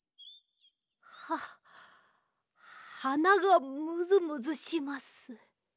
ははながムズムズします。